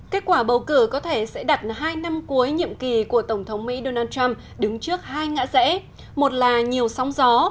kết quả bầu cử có thể sẽ đặt hai năm cuối nhiệm kỳ của tổng thống mỹ donald trump đứng trước hai ngã rẽ một là nhiều sóng gió và hai là nhận được nhiều động lực hơn